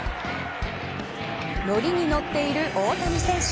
のりに乗っている大谷選手。